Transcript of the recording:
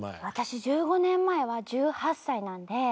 私１５年前は１８歳なんで。